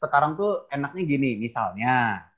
sekarang tuh enaknya gini misalnya